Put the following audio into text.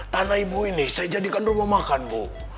tanah ibu ini saya jadikan rumah makan bu